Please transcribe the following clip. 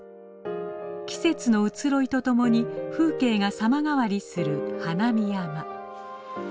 季節の移ろいとともに風景が様変わりする花見山。